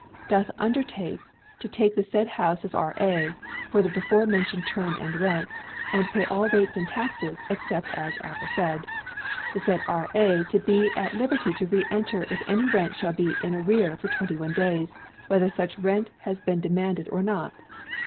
doth undertake to take the said house of R.A. for the before mentioned term and rent, and pay all rates and taxes, except as aforesaid. The said R.A. to be at liberty to re enter if any rent shall be in arrear for 21 days, whether such rent has been demanded or not.